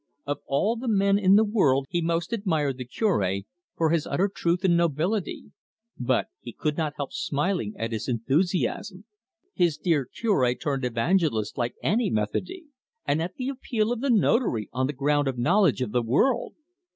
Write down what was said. Of all men in the world he most admired the Cure, for his utter truth and nobility; but he could not help smiling at his enthusiasm his dear Cure turned evangelist like any "Methody"! and at the appeal of the Notary on the ground of knowledge of the world.